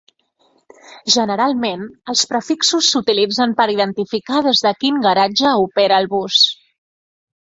Generalment, els prefixos s'utilitzen per identificar des de quin garatge opera el bus.